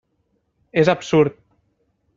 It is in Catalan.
És absurd!